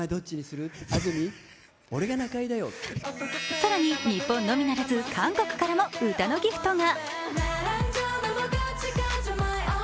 更に、日本のみならず韓国からも歌のギフトが。